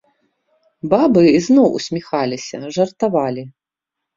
Бабы ізноў усміхаліся, жартавалі.